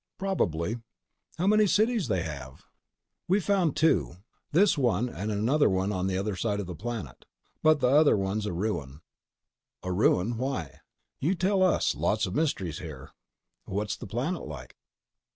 "Probably." "How many cities have they?" "We've found two. This one and another on the other side of the planet. But the other one's a ruin." "A ruin? Why?" "You tell us. Lots of mysteries here." "What's the planet like?"